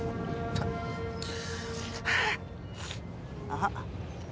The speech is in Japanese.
あっ。